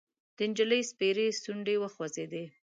د نجلۍ سپېرې شونډې وخوځېدې: